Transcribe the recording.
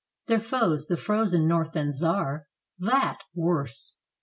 Their foes the frozen North and Czar — That, worse.